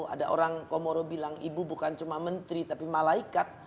ada orang komoro bilang ibu bukan cuma menteri tapi malaikat